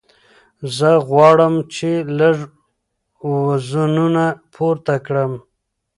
زه اوس غواړم چې لږ وزنونه پورته کړم.